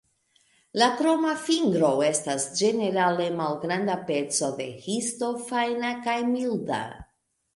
La kroma fingro estas ĝenerale malgranda peco de histo fajna kaj milda.